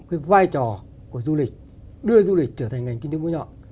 cái vai trò của du lịch đưa du lịch trở thành ngành kinh tế mỗi nhỏ